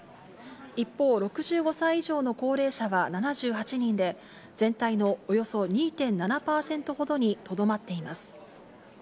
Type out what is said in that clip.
一方、６５歳以上の高齢者は７８人で、全体のおよそ２．７％ほどにとどまっています。